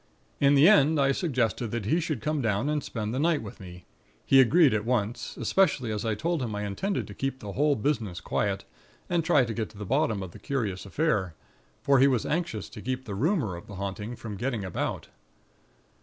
"In the end, I suggested that he should come down and spend the night with me. He agreed at once, especially as I told him I intended to keep the whole business quiet, and try to get to the bottom of the curious affair; for he was anxious to keep the rumor of the haunting from getting about.